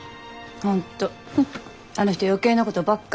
本当あの人余計なことばっか。